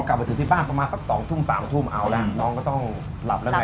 กลับมาถึงที่บ้านประมาณสัก๒ทุ่ม๓ทุ่มเอาละน้องก็ต้องหลับแล้วไง